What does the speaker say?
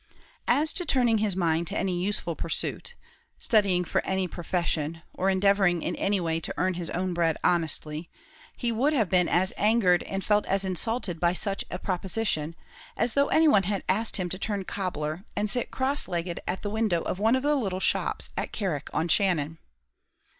As to turning his mind to any useful pursuit studying for any profession, or endeavouring in any way to earn his own bread honestly he would have been as angered and felt as insulted by such a proposition, as though any one had asked him to turn cobbler, and sit cross legged at the window of one of the little shops at Carrick on Shannon.